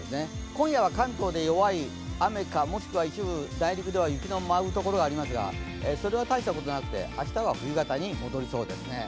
今夜は関東で弱い雨かもしくは内陸では雪が舞うところがありますがそれは大したことなくて明日は冬型に戻りそうですね。